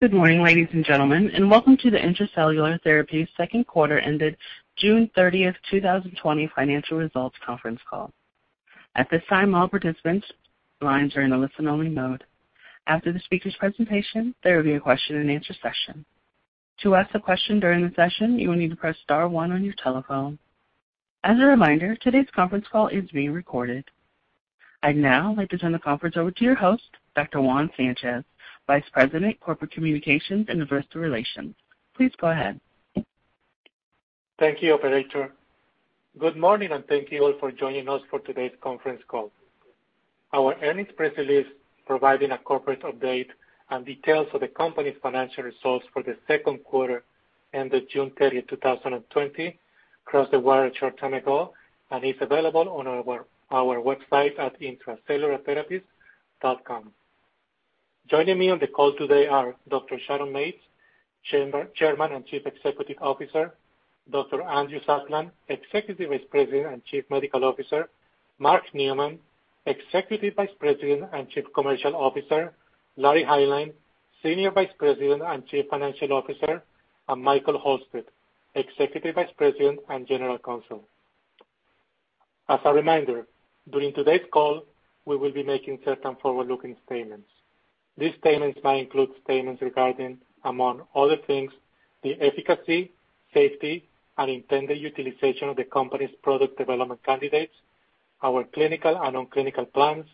Good morning, ladies and gentlemen, and welcome to the Intra-Cellular Therapies second quarter ended June 30th, 2020 financial results conference call. At this time, all participants' lines are in a listen-only mode. After the speaker's presentation, there will be a question-and-answer session. To ask a question during the session, you will need to press star one on your telephone. As a reminder, today's conference call is being recorded. I'd now like to turn the conference over to your host, Dr. Juan Sanchez, Vice President, Corporate Communications and Investor Relations. Please go ahead. Thank you, operator. Good morning, thank you all for joining us for today's conference call. Our earnings press release providing a corporate update and details of the company's financial results for the second quarter ended June 30th, 2020 crossed the wire a short time ago and is available on our website at intracellulartherapies.com. Joining me on the call today are Dr. Sharon Mates, Chairman and Chief Executive Officer, Dr. Andy Satlin, Executive Vice President and Chief Medical Officer, Mark Neumann, Executive Vice President and Chief Commercial Officer, Larry Hineline, Senior Vice President and Chief Financial Officer, and Michael Halstead, Executive Vice President and General Counsel. As a reminder, during today's call, we will be making certain forward-looking statements. These statements may include statements regarding, among other things, the efficacy, safety, and intended utilization of the company's product development candidates, our clinical and non-clinical plans,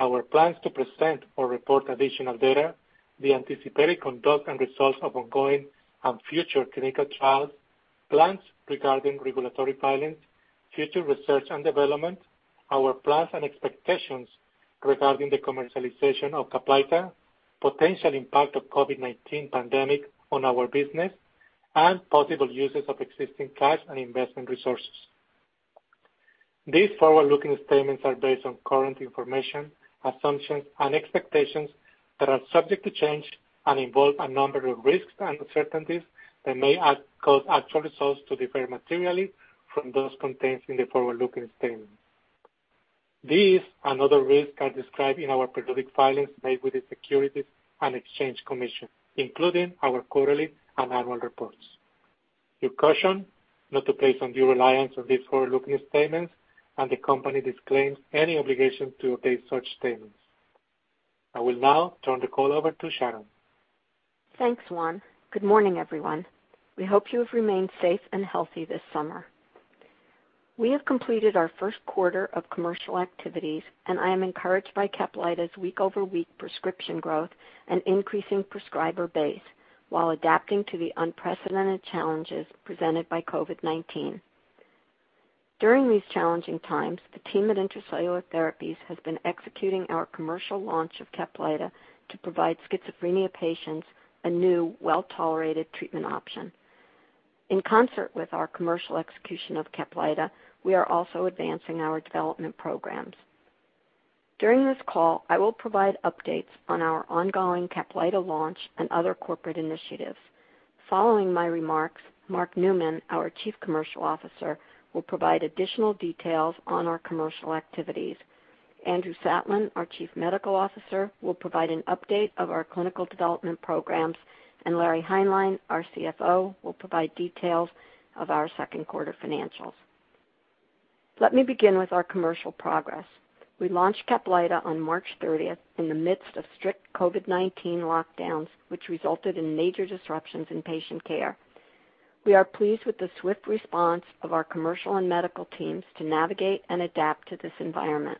our plans to present or report additional data, the anticipated conduct and results of ongoing and future clinical trials, plans regarding regulatory filings, future research and development, our plans and expectations regarding the commercialization of CAPLYTA, potential impact of COVID-19 pandemic on our business, and possible uses of existing cash and investment resources. These forward-looking statements are based on current information, assumptions, and expectations that are subject to change and involve a number of risks and uncertainties that may cause actual results to differ materially from those contained in the forward-looking statements. These and other risks are described in our periodic filings made with the Securities and Exchange Commission, including our quarterly and annual reports. You're cautioned not to place undue reliance on these forward-looking statements. The company disclaims any obligation to update such statements. I will now turn the call over to Sharon. Thanks, Juan. Good morning, everyone. We hope you have remained safe and healthy this summer. We have completed our first quarter of commercial activities, and I am encouraged by CAPLYTA's week-over-week prescription growth and increasing prescriber base while adapting to the unprecedented challenges presented by COVID-19. During these challenging times, the team at Intra-Cellular Therapies has been executing our commercial launch of CAPLYTA to provide schizophrenia patients a new, well-tolerated treatment option. In concert with our commercial execution of CAPLYTA, we are also advancing our development programs. During this call, I will provide updates on our ongoing CAPLYTA launch and other corporate initiatives. Following my remarks, Mark Neumann, our Chief Commercial Officer, will provide additional details on our commercial activities. Andrew Satlin, our Chief Medical Officer, will provide an update of our clinical development programs, and Larry Hineline, our CFO, will provide details of our second quarter financials. Let me begin with our commercial progress. We launched CAPLYTA on March 30th in the midst of strict COVID-19 lockdowns, which resulted in major disruptions in patient care. We are pleased with the swift response of our commercial and medical teams to navigate and adapt to this environment.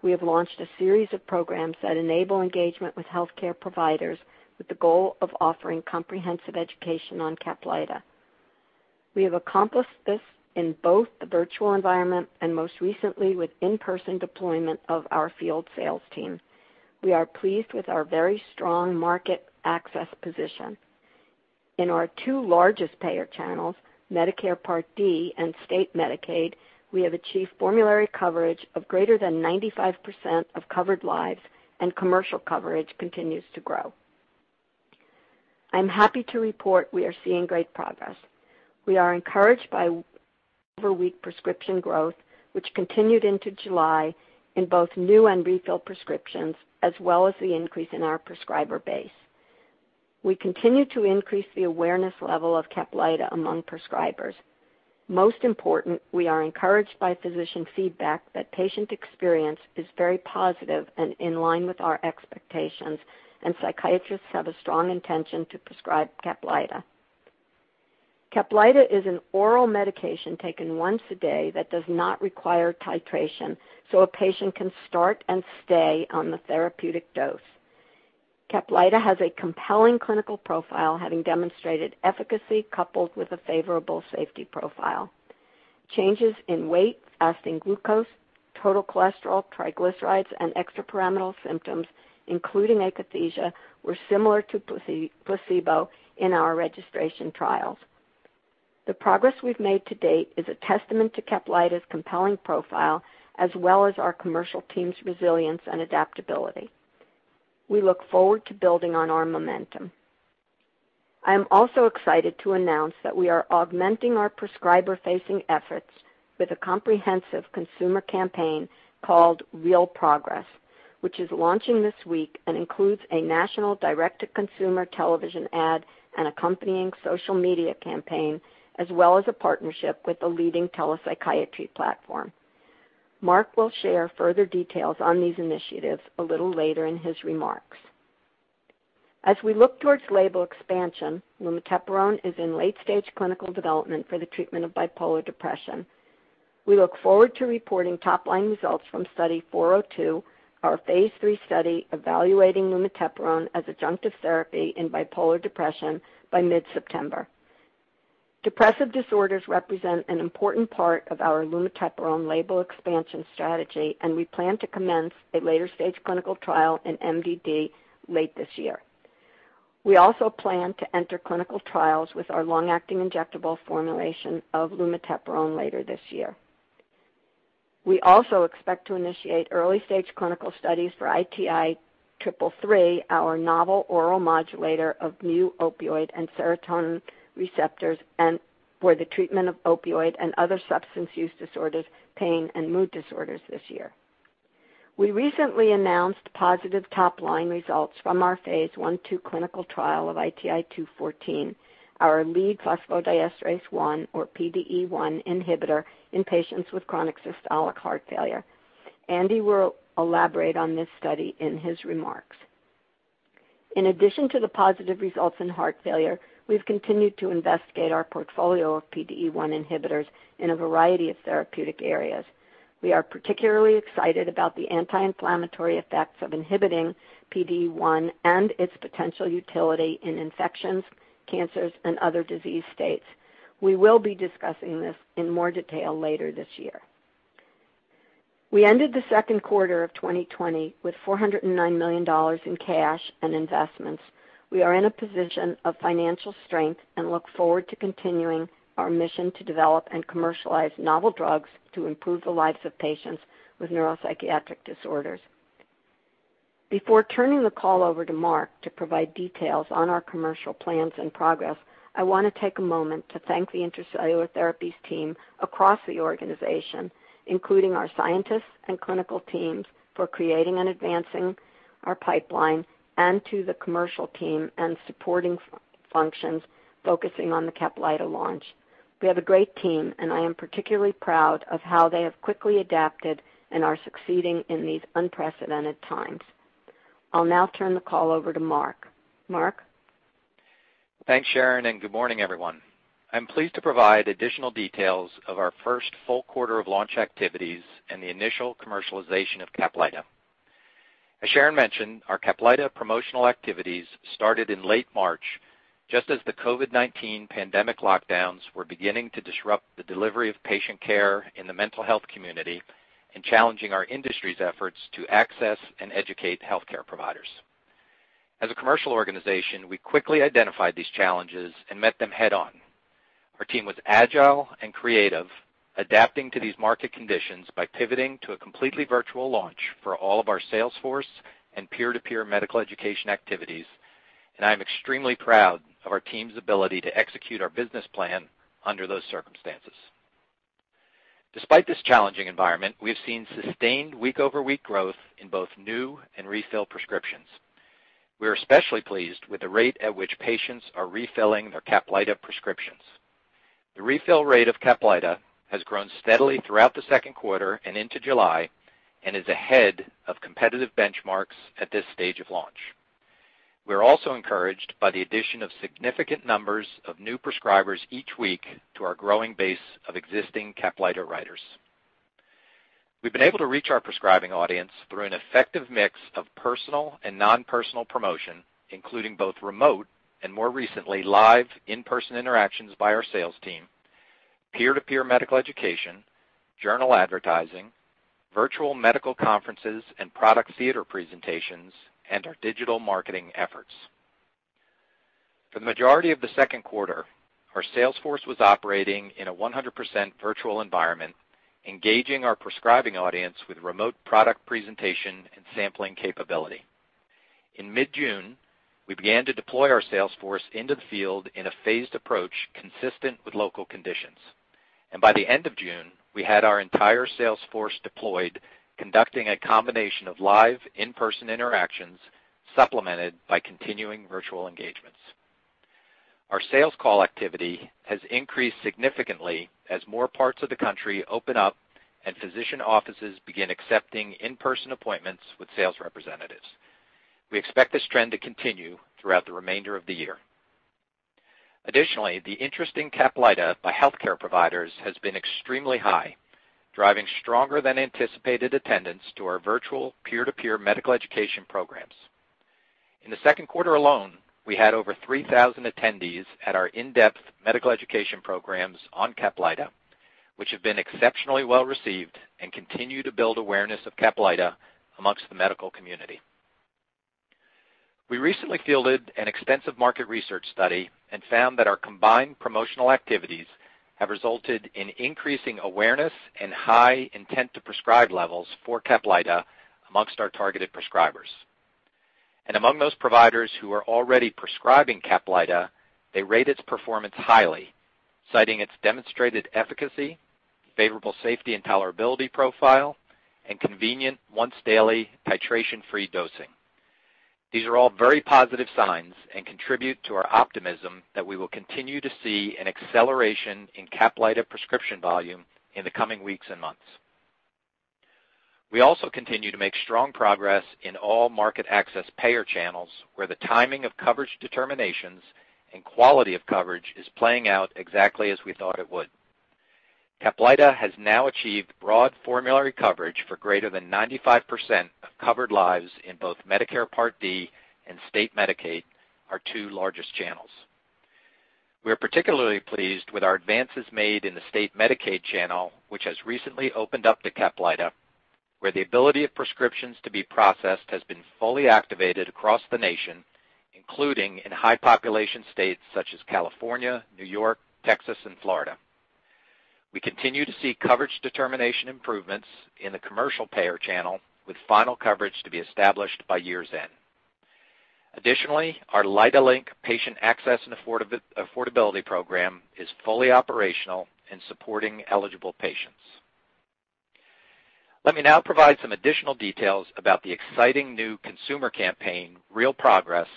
We have launched a series of programs that enable engagement with healthcare providers with the goal of offering comprehensive education on CAPLYTA. We have accomplished this in both the virtual environment and most recently with in-person deployment of our field sales team. We are pleased with our very strong market access position. In our two largest payer channels, Medicare Part D and State Medicaid, we have achieved formulary coverage of greater than 95% of covered lives and commercial coverage continues to grow. I'm happy to report we are seeing great progress. We are encouraged by week-over-week prescription growth, which continued into July in both new and refill prescriptions, as well as the increase in our prescriber base. We continue to increase the awareness level of CAPLYTA among prescribers. Most important, we are encouraged by physician feedback that patient experience is very positive and in line with our expectations, and psychiatrists have a strong intention to prescribe CAPLYTA. CAPLYTA is an oral medication taken once a day that does not require titration, so a patient can start and stay on the therapeutic dose. CAPLYTA has a compelling clinical profile, having demonstrated efficacy coupled with a favorable safety profile. Changes in weight, fasting glucose, total cholesterol, triglycerides, and extrapyramidal symptoms, including akathisia, were similar to placebo in our registration trials. The progress we've made to date is a testament to CAPLYTA's compelling profile, as well as our commercial team's resilience and adaptability. We look forward to building on our momentum. I am also excited to announce that we are augmenting our prescriber-facing efforts with a comprehensive consumer campaign called Real Progress, which is launching this week and includes a national direct-to-consumer television ad and accompanying social media campaign, as well as a partnership with a leading telepsychiatry platform. Mark will share further details on these initiatives a little later in his remarks. As we look towards label expansion, lumateperone is in late-stage clinical development for the treatment of bipolar depression. We look forward to reporting top-line results from Study 402, our phase III study evaluating lumateperone as adjunctive therapy in bipolar depression by mid-September. Depressive disorders represent an important part of our lumateperone label expansion strategy. We plan to commence a later-stage clinical trial in MDD late this year. We also plan to enter clinical trials with our long-acting injectable formulation of lumateperone later this year. We also expect to initiate early-stage clinical studies for ITI-333, our novel oral modulator of mu-opioid and serotonin receptors, and for the treatment of opioid and other substance use disorders, pain and mood disorders this year. We recently announced positive top-line results from our phase I/II clinical trial of ITI-214, our lead phosphodiesterase 1 or PDE1 inhibitor in patients with chronic systolic heart failure. Andy will elaborate on this study in his remarks. In addition to the positive results in heart failure, we've continued to investigate our portfolio of PDE1 inhibitors in a variety of therapeutic areas. We are particularly excited about the anti-inflammatory effects of inhibiting PDE1 and its potential utility in infections, cancers, and other disease states. We will be discussing this in more detail later this year. We ended the second quarter of 2020 with $409 million in cash and investments. We are in a position of financial strength and look forward to continuing our mission to develop and commercialize novel drugs to improve the lives of patients with neuropsychiatric disorders. Before turning the call over to Mark to provide details on our commercial plans and progress, I want to take a moment to thank the Intra-Cellular Therapies team across the organization, including our scientists and clinical teams, for creating and advancing our pipeline, and to the commercial team and supporting functions focusing on the CAPLYTA launch. We have a great team, and I am particularly proud of how they have quickly adapted and are succeeding in these unprecedented times. I'll now turn the call over to Mark. Mark? Thanks, Sharon, and good morning, everyone. I'm pleased to provide additional details of our first full quarter of launch activities and the initial commercialization of CAPLYTA. As Sharon mentioned, our CAPLYTA promotional activities started in late March, just as the COVID-19 pandemic lockdowns were beginning to disrupt the delivery of patient care in the mental health community. Challenging our industry's efforts to access and educate healthcare providers. As a commercial organization, we quickly identified these challenges and met them head-on. Our team was agile and creative, adapting to these market conditions by pivoting to a completely virtual launch for all of our sales force and peer-to-peer medical education activities, and I am extremely proud of our team's ability to execute our business plan under those circumstances. Despite this challenging environment, we have seen sustained week-over-week growth in both new and refill prescriptions. We are especially pleased with the rate at which patients are refilling their CAPLYTA prescriptions. The refill rate of CAPLYTA has grown steadily throughout the second quarter and into July and is ahead of competitive benchmarks at this stage of launch. We are also encouraged by the addition of significant numbers of new prescribers each week to our growing base of existing CAPLYTA writers. We've been able to reach our prescribing audience through an effective mix of personal and non-personal promotion, including both remote and, more recently, live in-person interactions by our sales team, peer-to-peer medical education, journal advertising, virtual medical conferences and product theater presentations, and our digital marketing efforts. For the majority of the second quarter, our sales force was operating in a 100% virtual environment, engaging our prescribing audience with remote product presentation and sampling capability. In mid-June, we began to deploy our sales force into the field in a phased approach consistent with local conditions. By the end of June, we had our entire sales force deployed, conducting a combination of live in-person interactions, supplemented by continuing virtual engagements. Our sales call activity has increased significantly as more parts of the country open up and physician offices begin accepting in-person appointments with sales representatives. We expect this trend to continue throughout the remainder of the year. Additionally, the interest in CAPLYTA by healthcare providers has been extremely high, driving stronger than anticipated attendance to our virtual peer-to-peer medical education programs. In the second quarter alone, we had over 3,000 attendees at our in-depth medical education programs on CAPLYTA, which have been exceptionally well received and continue to build awareness of CAPLYTA amongst the medical community. We recently fielded an extensive market research study and found that our combined promotional activities have resulted in increasing awareness and high intent to prescribe levels for CAPLYTA amongst our targeted prescribers. Among those providers who are already prescribing CAPLYTA, they rate its performance highly, citing its demonstrated efficacy, favorable safety and tolerability profile, and convenient once-daily titration-free dosing. These are all very positive signs and contribute to our optimism that we will continue to see an acceleration in CAPLYTA prescription volume in the coming weeks and months. We also continue to make strong progress in all market access payer channels, where the timing of coverage determinations and quality of coverage is playing out exactly as we thought it would. CAPLYTA has now achieved broad formulary coverage for greater than 95% of covered lives in both Medicare Part D and State Medicaid, our two largest channels. We are particularly pleased with our advances made in the State Medicaid channel, which has recently opened up to CAPLYTA, where the ability of prescriptions to be processed has been fully activated across the nation, including in high population states such as California, New York, Texas, and Florida. We continue to see coverage determination improvements in the commercial payer channel, with final coverage to be established by year's end. Additionally, our LYTAlink patient access and affordability program is fully operational in supporting eligible patients. Let me now provide some additional details about the exciting new consumer campaign, Real Progress,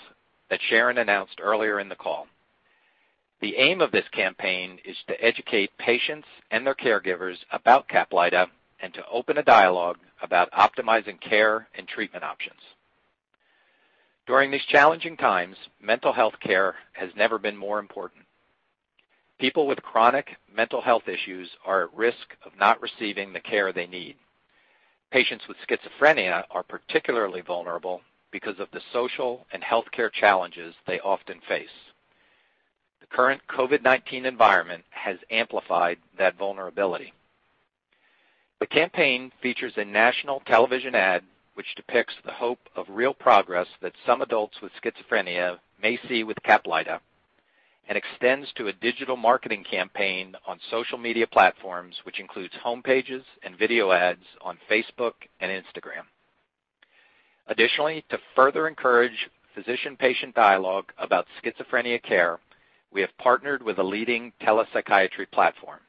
that Sharon announced earlier in the call. The aim of this campaign is to educate patients and their caregivers about CAPLYTA and to open a dialogue about optimizing care and treatment options. During these challenging times, mental health care has never been more important. People with chronic mental health issues are at risk of not receiving the care they need. Patients with schizophrenia are particularly vulnerable because of the social and healthcare challenges they often face. The current COVID-19 environment has amplified that vulnerability. The campaign features a national television ad which depicts the hope of Real Progress that some adults with schizophrenia may see with CAPLYTA and extends to a digital marketing campaign on social media platforms, which includes homepages and video ads on Facebook and Instagram. Additionally, to further encourage physician-patient dialogue about schizophrenia care, we have partnered with a leading telepsychiatry platform.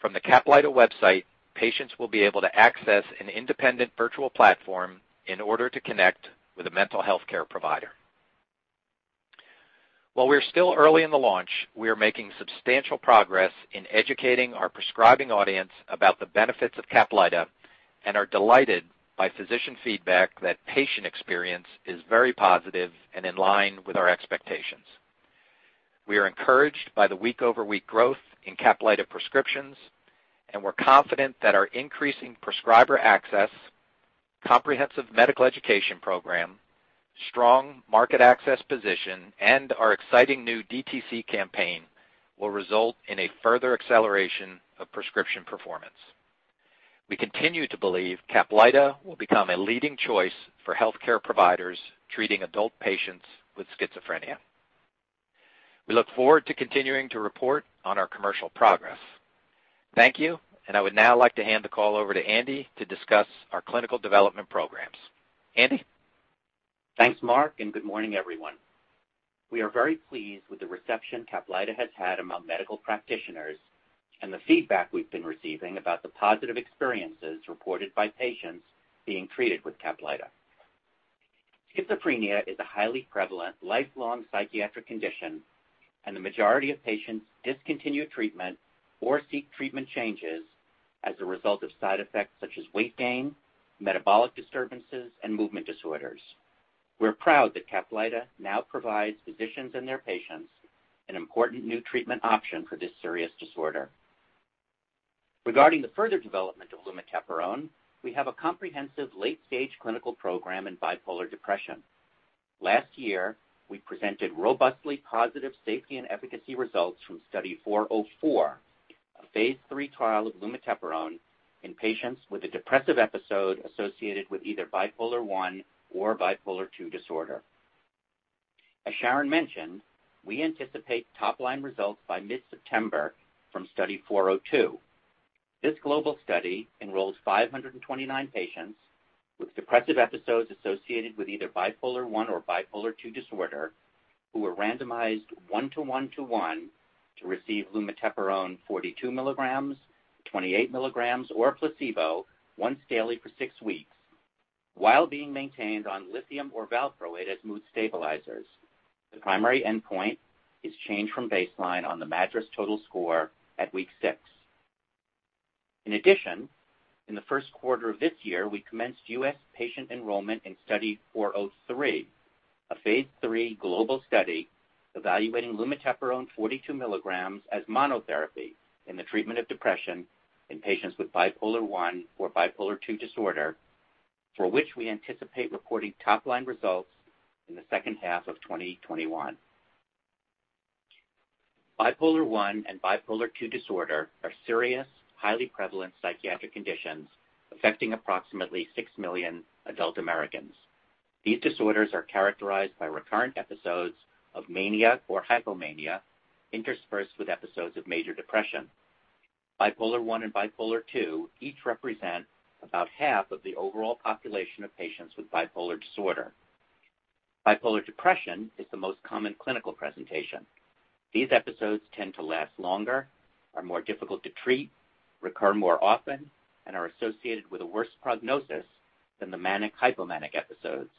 From the CAPLYTA website, patients will be able to access an independent virtual platform in order to connect with a mental health care provider. While we are still early in the launch, we are making substantial progress in educating our prescribing audience about the benefits of CAPLYTA and are delighted by physician feedback that patient experience is very positive and in line with our expectations. We are encouraged by the week-over-week growth in CAPLYTA prescriptions, and we're confident that our increasing prescriber access, comprehensive medical education program, strong market access position, and our exciting new DTC campaign will result in a further acceleration of prescription performance. We continue to believe CAPLYTA will become a leading choice for healthcare providers treating adult patients with schizophrenia. We look forward to continuing to report on our commercial progress. Thank you, and I would now like to hand the call over to Andy to discuss our clinical development programs. Andy? Thanks, Mark, and good morning, everyone. We are very pleased with the reception CAPLYTA has had among medical practitioners and the feedback we've been receiving about the positive experiences reported by patients being treated with CAPLYTA. Schizophrenia is a highly prevalent, lifelong psychiatric condition, and the majority of patients discontinue treatment or seek treatment changes as a result of side effects such as weight gain, metabolic disturbances, and movement disorders. We're proud that CAPLYTA now provides physicians and their patients an important new treatment option for this serious disorder. Regarding the further development of lumateperone, we have a comprehensive late-stage clinical program in bipolar depression. Last year, we presented robustly positive safety and efficacy results from Study 404, a phase III trial of lumateperone in patients with a depressive episode associated with either Bipolar I or Bipolar II disorder. As Sharon mentioned, we anticipate top-line results by mid-September from Study 402. This global study enrolls 529 patients with depressive episodes associated with either Bipolar I or Bipolar II disorder who were randomized one-to-one to one to receive lumateperone 42 mg, 28 mg, or a placebo once daily for six weeks while being maintained on lithium or valproate as mood stabilizers. The primary endpoint is change from baseline on the MADRS total score at week six. In addition, in the first quarter of this year, we commenced U.S. patient enrollment in Study 403. A phase III global study evaluating lumateperone 42 mg as monotherapy in the treatment of depression in patients with Bipolar I or Bipolar II disorder, for which we anticipate reporting top-line results in the second half of 2021. Bipolar I and Bipolar II disorder are serious, highly prevalent psychiatric conditions affecting approximately 6 million adult Americans. These disorders are characterized by recurrent episodes of mania or hypomania interspersed with episodes of major depression. Bipolar I and Bipolar II each represent about half of the overall population of patients with bipolar disorder. Bipolar depression is the most common clinical presentation. These episodes tend to last longer, are more difficult to treat, recur more often, and are associated with a worse prognosis than the manic/hypomanic episodes.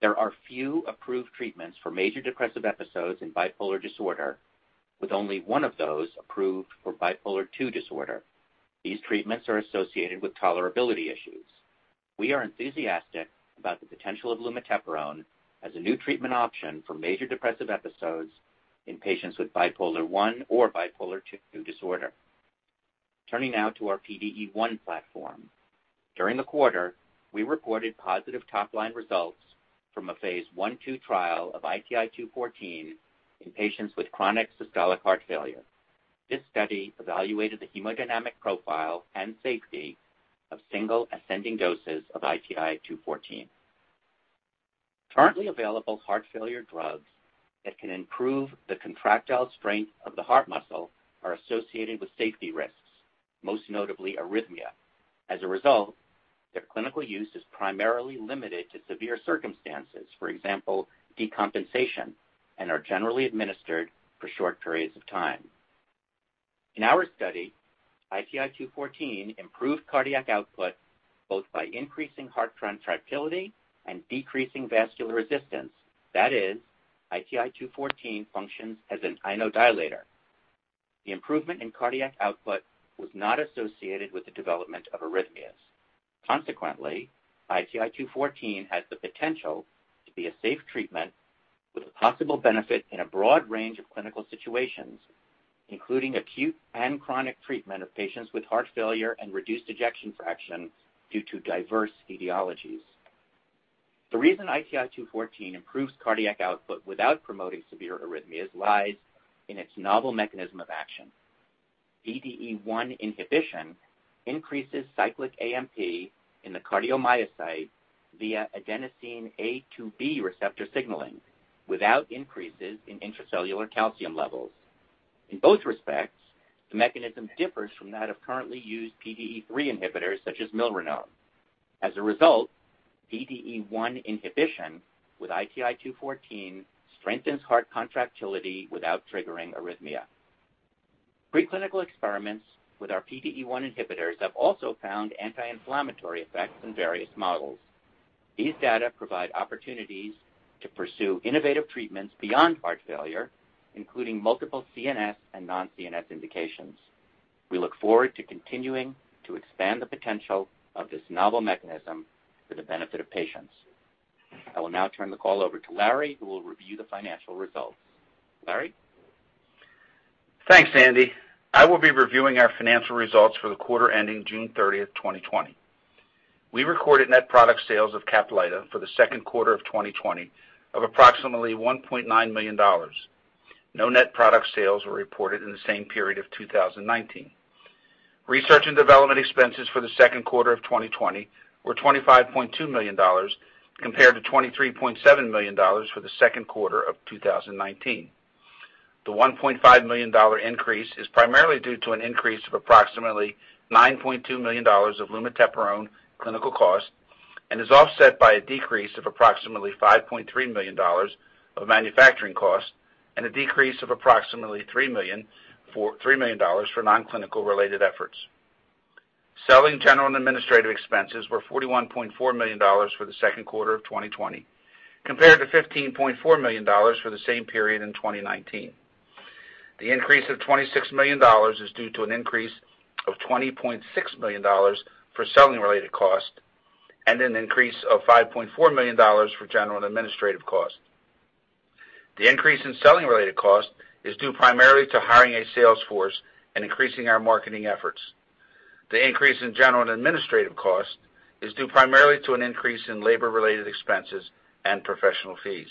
There are few approved treatments for major depressive episodes in bipolar disorder, with only one of those approved for Bipolar II disorder. These treatments are associated with tolerability issues. We are enthusiastic about the potential of lumateperone as a new treatment option for major depressive episodes in patients with Bipolar I or Bipolar II disorder. Turning now to our PDE1 platform. During the quarter, we reported positive top-line results from a Phase I/II trial of ITI-214 in patients with chronic systolic heart failure. This study evaluated the hemodynamic profile and safety of single ascending doses of ITI-214. Currently available heart failure drugs that can improve the contractile strength of the heart muscle are associated with safety risks, most notably arrhythmia. As a result, their clinical use is primarily limited to severe circumstances, for example, decompensation, and are generally administered for short periods of time. In our study, ITI-214 improved cardiac output both by increasing heart contractility and decreasing vascular resistance. That is, ITI-214 functions as an inodilator. The improvement in cardiac output was not associated with the development of arrhythmias. Consequently, ITI-214 has the potential to be a safe treatment with a possible benefit in a broad range of clinical situations, including acute and chronic treatment of patients with heart failure and reduced ejection fraction due to diverse etiologies. The reason ITI-214 improves cardiac output without promoting severe arrhythmias lies in its novel mechanism of action. PDE1 inhibition increases cyclic AMP in the cardiomyocyte via adenosine A2B receptor signaling without increases in intracellular calcium levels. In both respects, the mechanism differs from that of currently used PDE3 inhibitors such as milrinone. As a result, PDE1 inhibition with ITI-214 strengthens heart contractility without triggering arrhythmia. Pre-clinical experiments with our PDE1 inhibitors have also found anti-inflammatory effects in various models. These data provide opportunities to pursue innovative treatments beyond heart failure, including multiple CNS and non-CNS indications. We look forward to continuing to expand the potential of this novel mechanism for the benefit of patients. I will now turn the call over to Larry, who will review the financial results. Larry? Thanks, Andy. I will be reviewing our financial results for the quarter ending June 30th, 2020. We recorded net product sales of CAPLYTA for the second quarter of 2020 of approximately $1.9 million. No net product sales were reported in the same period of 2019. Research and development expenses for the second quarter of 2020 were $25.2 million compared to $23.7 million for the second quarter of 2019. The $1.5 million increase is primarily due to an increase of approximately $9.2 million of lumateperone clinical cost and is offset by a decrease of approximately $5.3 million of manufacturing cost. A decrease of approximately $3 million for non-clinical related efforts. Selling, general, and administrative expenses were $41.4 million for the second quarter of 2020 compared to $15.4 million for the same period in 2019. The increase of $26 million is due to an increase of $20.6 million for selling-related costs and an increase of $5.4 million for general and administrative costs. The increase in selling-related cost is due primarily to hiring a sales force and increasing our marketing efforts. The increase in general and administrative cost is due primarily to an increase in labor-related expenses and professional fees.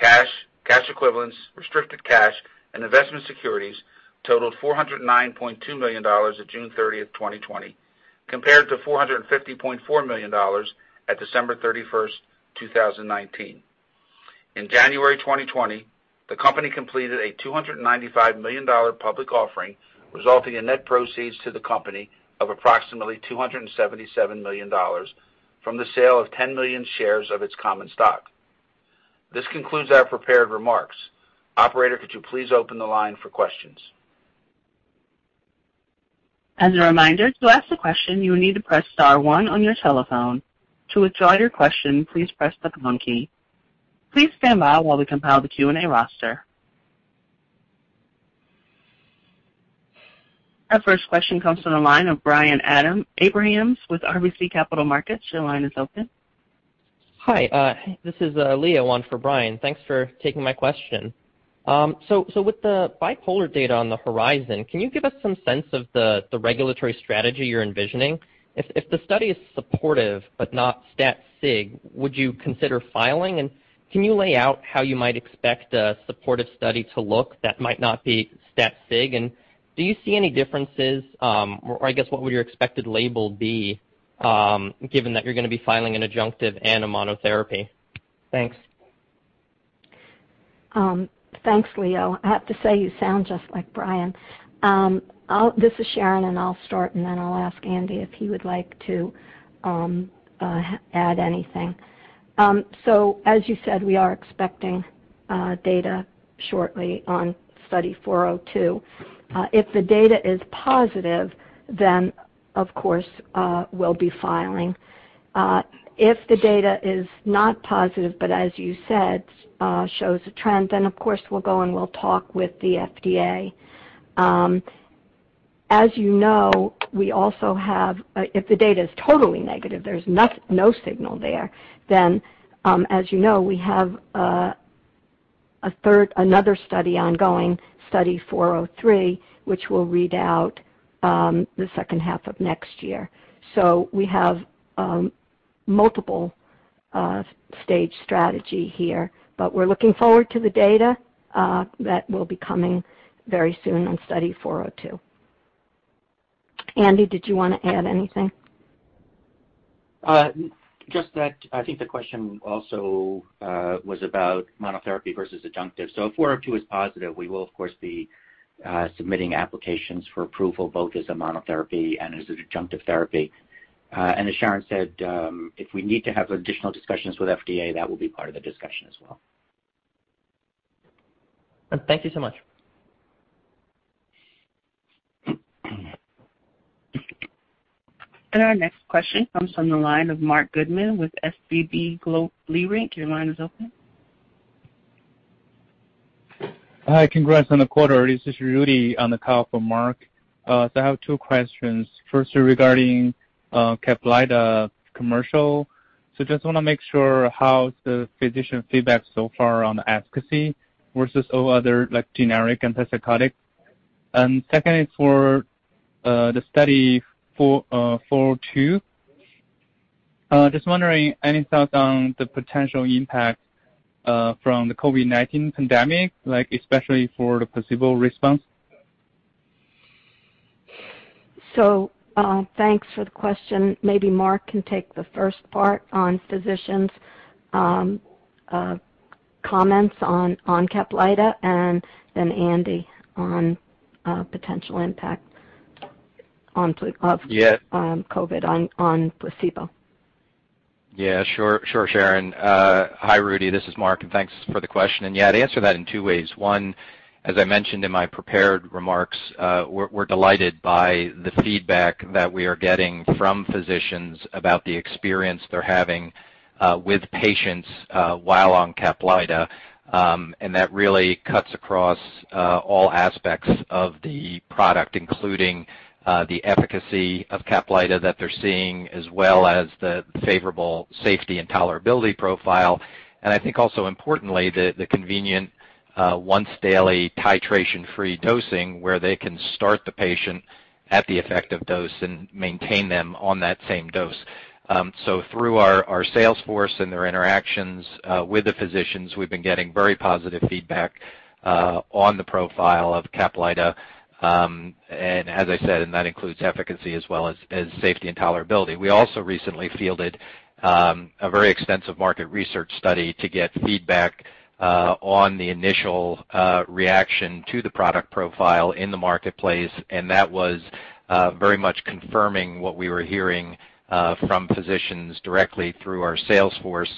Cash, cash equivalents, restricted cash, and investment securities totaled $409.2 million of June 30th, 2020, compared to $450.4 million at December 31st, 2019. In January 2020, the company completed a $295 million public offering, resulting in net proceeds to the company of approximately $277 million from the sale of 10 million shares of its common stock. This concludes our prepared remarks. Operator, could you please open the line for questions? As a reminder, to ask a question, you will need to press star one on your telephone. To withdraw your question, please press the pound key. Please stand by while we compile the Q&A roster. Our first question comes from the line of Brian Abrahams with RBC Capital Markets. Your line is open. Hi. This is Leo on for Brian. Thanks for taking my question. With the Bipolar data on the horizon, can you give us some sense of the regulatory strategy you're envisioning? If the study is supportive but not stat sig, would you consider filing? Can you lay out how you might expect a supportive study to look that might not be stat sig? Do you see any differences, or I guess, what would your expected label be, given that you're going to be filing an adjunctive and a monotherapy? Thanks. Thanks, Leo. I have to say you sound just like Brian. This is Sharon, and I'll start and then I'll ask Andy if he would like to add anything. As you said, we are expecting data shortly on Study 402. If the data is positive, then of course, we'll be filing. If the data is not positive, but as you said, shows a trend, then of course we'll go and we'll talk with the FDA. If the data is totally negative, there's no signal there, then, as you know, we have another study ongoing, Study 403, which will read out the second half of next year. We have multiple stage strategy here, but we're looking forward to the data that will be coming very soon on Study 402. Andy, did you want to add anything? Just that I think the question also was about monotherapy versus adjunctive. If 402 is positive, we will, of course, be submitting applications for approval, both as a monotherapy and as an adjunctive therapy. As Sharon said, if we need to have additional discussions with FDA, that will be part of the discussion as well. Thank you so much. Our next question comes from the line of Marc Goodman with SVB Leerink. Your line is open. Hi. Congrats on the quarter. This is Rudy on the call for Mark. I have two questions. First, regarding CAPLYTA commercial. Just want to make sure how's the physician feedback so far on efficacy versus other generic antipsychotics? Second is for the Study 402. Just wondering, any thoughts on the potential impact from the COVID-19 pandemic, especially for the placebo response? Thanks for the question. Maybe Mark can take the first part on physicians' comments on CAPLYTA, and then Andy on potential impact of COVID on placebo. Yeah, sure, Sharon. Hi Rudy, this is Mark. Thanks for the question. Yeah, to answer that in two ways, one, as I mentioned in my prepared remarks, we're delighted by the feedback that we are getting from physicians about the experience they're having with patients while on CAPLYTA. That really cuts across all aspects of the product, including the efficacy of CAPLYTA that they're seeing, as well as the favorable safety and tolerability profile. I think also importantly, the convenient once-daily titration-free dosing where they can start the patient at the effective dose and maintain them on that same dose. Through our sales force and their interactions with the physicians, we've been getting very positive feedback on the profile of CAPLYTA. As I said, that includes efficacy as well as safety and tolerability. We also recently fielded a very extensive market research study to get feedback on the initial reaction to the product profile in the marketplace. That was very much confirming what we were hearing from physicians directly through our sales force.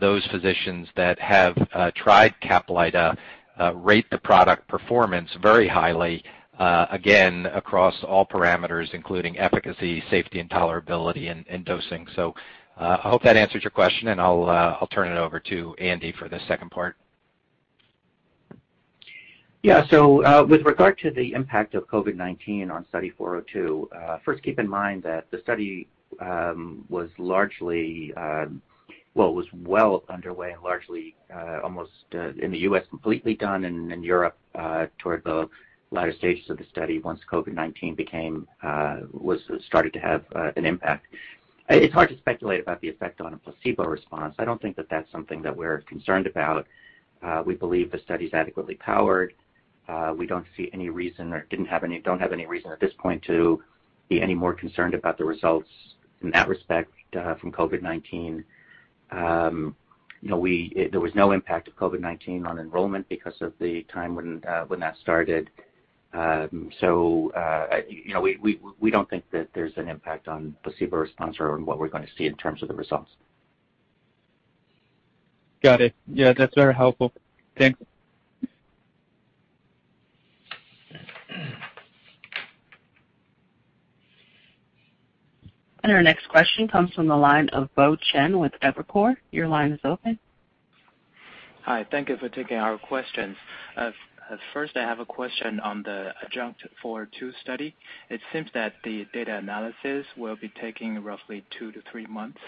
Those physicians that have tried CAPLYTA rate the product performance very highly, again, across all parameters, including efficacy, safety, and tolerability, and dosing. I hope that answers your question, and I'll turn it over to Andy for the second part. Yeah. With regard to the impact of COVID-19 on Study 402, first keep in mind that the study was well underway and largely almost in the U.S. completely done and in Europe toward the latter stages of the study once COVID-19 started to have an impact. It's hard to speculate about the effect on a placebo response. I don't think that that's something that we're concerned about. We believe the study's adequately powered. We don't have any reason at this point to be any more concerned about the results in that respect from COVID-19. There was no impact of COVID-19 on enrollment because of the time when that started. We don't think that there's an impact on placebo response or on what we're going to see in terms of the results. Got it. That's very helpful. Thanks. Our next question comes from the line of Bo Chen with Evercore. Your line is open. Hi. Thank you for taking our questions. First, I have a question on the Study 402. It seems that the data analysis will be taking roughly two to three months.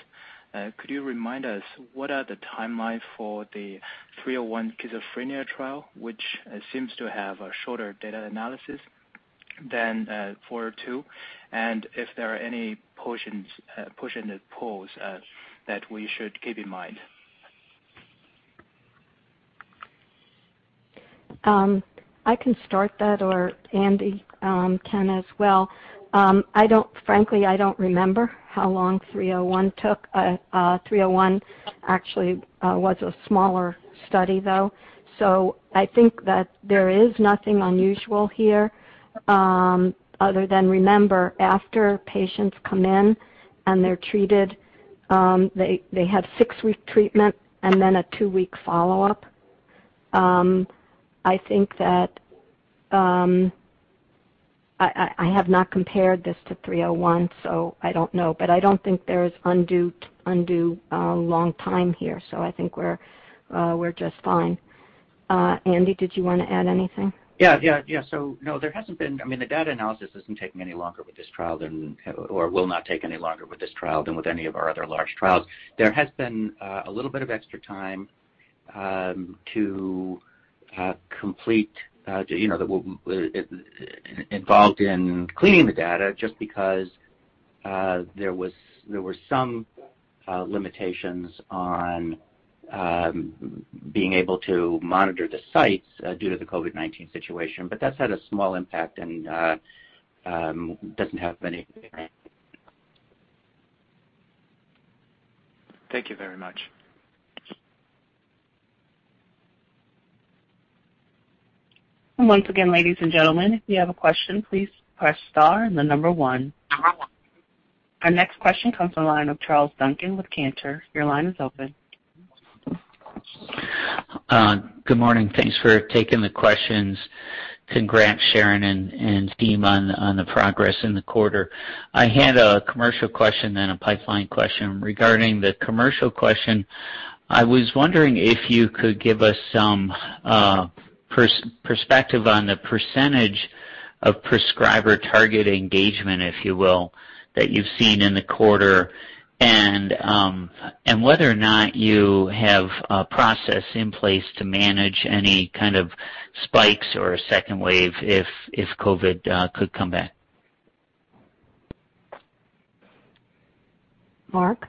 Could you remind us what are the timelines for the Study 301 schizophrenia trial, which seems to have a shorter data analysis than 402, and if there are any potential pause that we should keep in mind? I can start that, or Andy can as well. Frankly, I don't remember how long Study 301 took. Study 301 actually was a smaller study, though. I think that there is nothing unusual here other than remember, after patients come in and they're treated, they had six-week treatment and then a two-week follow-up. I have not compared this to Study 301, so I don't know, but I don't think there's undue long time here, so I think we're just fine. Andy, did you want to add anything? Yeah. The data analysis isn't taking any longer with this trial, or will not take any longer with this trial than with any of our other large trials. There has been a little bit of extra time involved in cleaning the data just because there were some limitations on being able to monitor the sites due to the COVID-19 situation. That's had a small impact and doesn't have any. Thank you very much. Once again, ladies and gentlemen, if you have a question, please press star and the one. Our next question comes from the line of Charles Duncan with Cantor. Your line is open. Good morning. Thanks for taking the questions. Congrats, Sharon and team, on the progress in the quarter. I had a commercial question then a pipeline question. Regarding the commercial question, I was wondering if you could give us some perspective on the percentage of prescriber target engagement, if you will, that you've seen in the quarter, and whether or not you have a process in place to manage any kind of spikes or a second wave if COVID-19 could come back. Mark?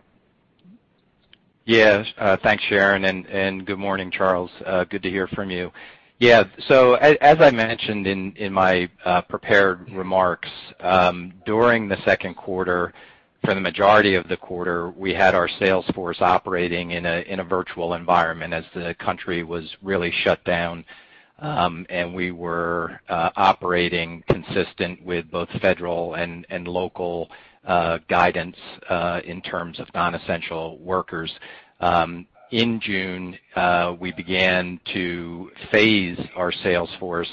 Thanks, Sharon, and good morning, Charles. Good to hear from you. As I mentioned in my prepared remarks, during the second quarter, for the majority of the quarter, we had our sales force operating in a virtual environment as the country was really shut down, and we were operating consistent with both federal and local guidance in terms of non-essential workers. In June, we began to phase our sales force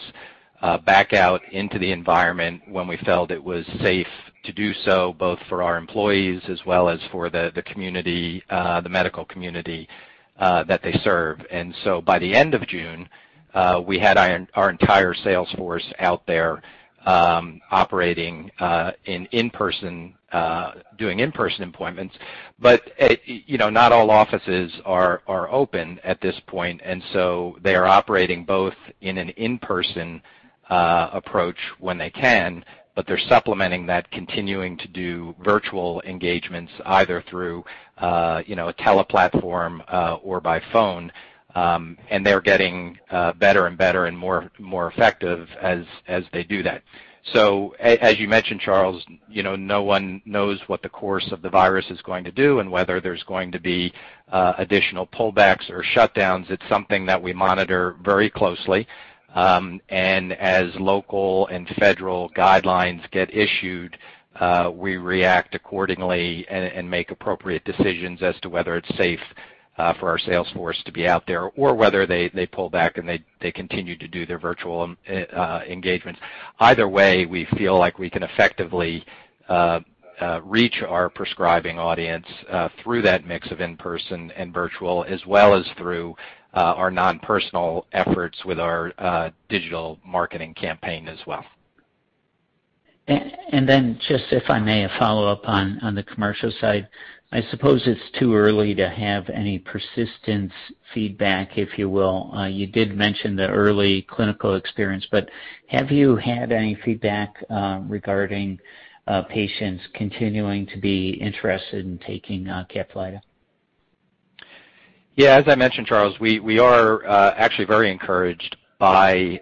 back out into the environment when we felt it was safe to do so, both for our employees as well as for the medical community that they serve. By the end of June, we had our entire sales force out there operating doing in-person appointments. Not all offices are open at this point, and so they are operating both in an in-person approach when they can, but they're supplementing that, continuing to do virtual engagements either through a tele platform or by phone, and they're getting better and better and more effective as they do that. As you mentioned, Charles, no one knows what the course of the virus is going to d o and whether there's going to be additional pullbacks or shutdowns. It's something that we monitor very closely, and as local and federal guidelines get issued, we react accordingly and make appropriate decisions as to whether it's safe for our sales force to be out there or whether they pull back and they continue to do their virtual engagements. Either way, we feel like we can effectively reach our prescribing audience through that mix of in-person and virtual, as well as through our non-personal efforts with our digital marketing campaign as well. Just if I may follow up on the commercial side. I suppose it's too early to have any persistence feedback, if you will. You did mention the early clinical experience, but have you had any feedback regarding patients continuing to be interested in taking CAPLYTA? Yeah. As I mentioned, Charles, we are actually very encouraged by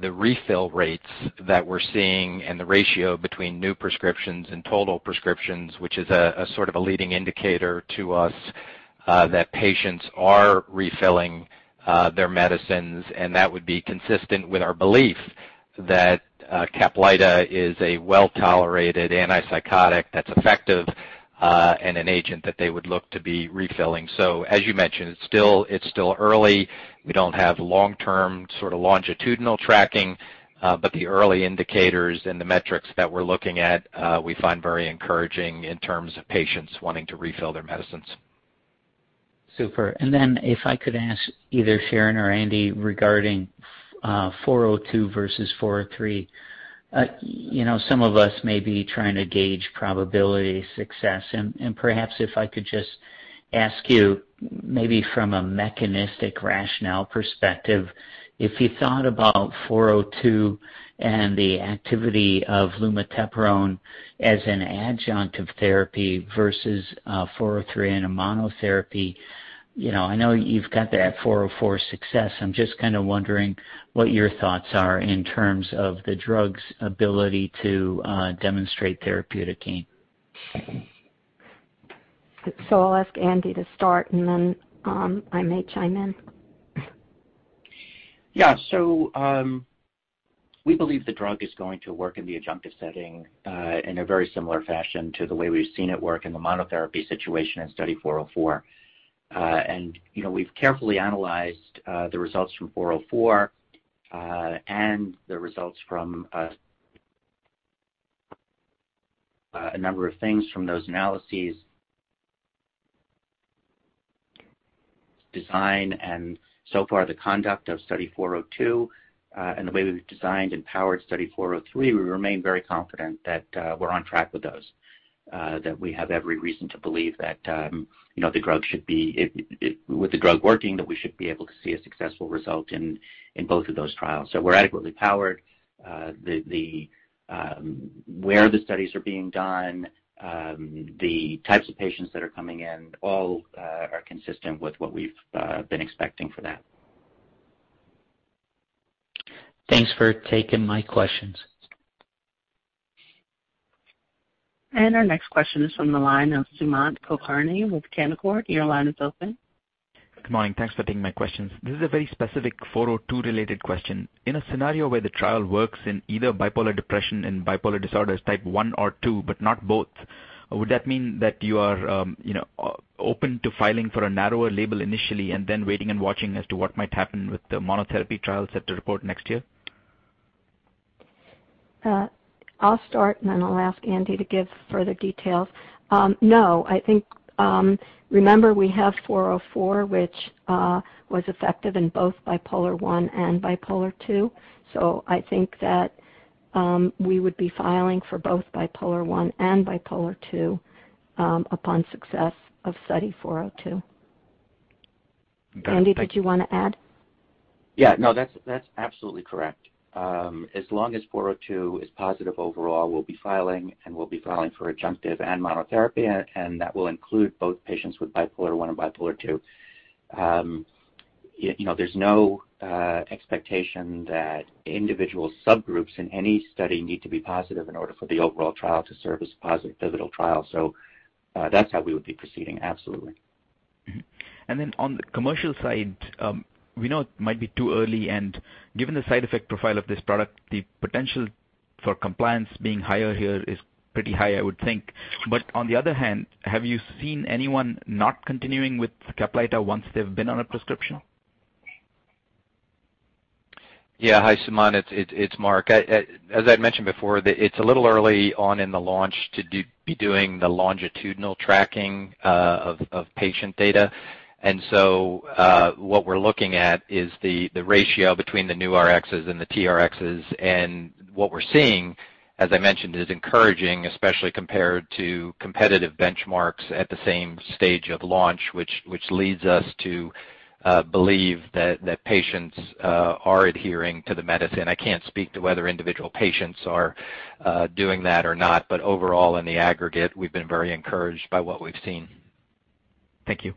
the refill rates that we're seeing and the ratio between new prescriptions and total prescriptions, which is a sort of a leading indicator to us that patients are refilling their medicines, and that would be consistent with our belief that CAPLYTA is a well-tolerated antipsychotic that's effective and an agent that they would look to be refilling. As you mentioned, it's still early. We don't have long-term sort of longitudinal tracking. The early indicators and the metrics that we're looking at we find very encouraging in terms of patients wanting to refill their medicines. Super. If I could ask either Sharon or Andy regarding 402 versus 403. Some of us may be trying to gauge probability success, and perhaps if I could just ask you maybe from a mechanistic rationale perspective, if you thought about 402 and the activity of lumateperone as an adjunctive therapy versus 403 in a monotherapy. I know you've got that 404 success. I'm just wondering what your thoughts are in terms of the drug's ability to demonstrate therapeutic gain. I'll ask Andy to start, and then I may chime in. Yeah. We believe the drug is going to work in the adjunctive setting, in a very similar fashion to the way we've seen it work in the monotherapy situation in Study 404. We've carefully analyzed the results from 404, and the results from a number of things from those analyses design, and so far, the conduct of Study 402, and the way we've designed and powered Study 403, we remain very confident that we're on track with those. That we have every reason to believe that with the drug working, that we should be able to see a successful result in both of those trials. We're adequately powered. Where the studies are being done, the types of patients that are coming in, all are consistent with what we've been expecting for that. Thanks for taking my questions. Our next question is from the line of Sumant Kulkarni with Canaccord. Your line is open. Good morning. Thanks for taking my questions. This is a very specific 402 related question. In a scenario where the trial works in either bipolar depression and bipolar disorders Type 1 or 2, but not both, would that mean that you are open to filing for a narrower label initially and then waiting and watching as to what might happen with the monotherapy trial set to report next year? I'll start and then I'll ask Andy to give further details. I think, remember we have Study 404, which was effective in both Bipolar I and Bipolar II. I think that we would be filing for both Bipolar I and Bipolar II, upon success of Study 402. Got it. Thank you. Andy, did you want to add? Yeah, no, that's absolutely correct. As long as 402 is positive overall, we'll be filing, and we'll be filing for adjunctive and monotherapy, and that will include both patients with Bipolar I and Bipolar II. There's no expectation that individual subgroups in any study need to be positive in order for the overall trial to serve as a positive pivotal trial. That's how we would be proceeding, absolutely. Then on the commercial side, we know it might be too early, and given the side effect profile of this product, the potential for compliance being higher here is pretty high, I would think. On the other hand, have you seen anyone not continuing with CAPLYTA once they've been on a prescription? Yeah. Hi, Sumant, it's Mark. As I'd mentioned before, it's a little early on in the launch to be doing the longitudinal tracking of patient data. What we're looking at is the ratio between the new Rx's and the TRX's. What we're seeing, as I mentioned, is encouraging, especially compared to competitive benchmarks at the same stage of launch, which leads us to believe that patients are adhering to the medicine. I can't speak to whether individual patients are doing that or not, but overall, in the aggregate, we've been very encouraged by what we've seen. Thank you.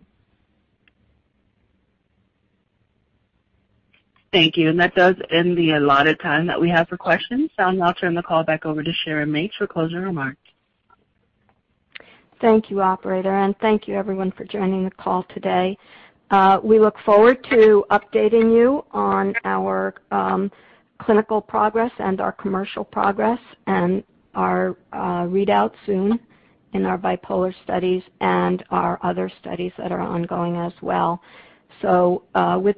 Thank you. That does end the allotted time that we have for questions. I'll now turn the call back over to Sharon Mates for closing remarks. Thank you, operator. Thank you everyone for joining the call today. We look forward to updating you on our clinical progress and our commercial progress and our readout soon in our bipolar studies and our other studies that are ongoing as well. With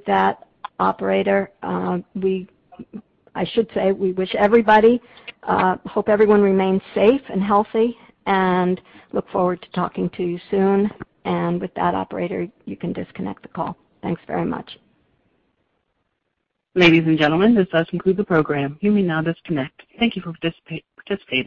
that, operator, I should say we hope everyone remains safe and healthy and look forward to talking to you soon. With that operator, you can disconnect the call. Thanks very much. Ladies and gentlemen, this does conclude the program. You may now disconnect. Thank you for participating.